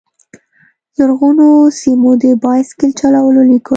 زرغونو سیمو، د بایسکل چلولو لیکو